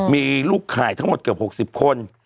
มีลูกข่ายทั้งหมดเกือบ๖๐คน